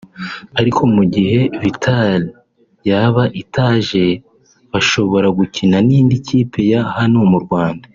ariko mu gihe Vital’O yaba itaje bashobora gukina n’indi kipe ya hano mu Rwanda